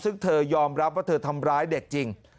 ซึ่งเธอยอมรับว่าเธอทำร้ายเด็กจริง